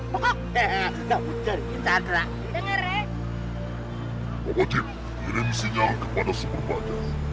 bobotip kirim sinyal kepada super bagai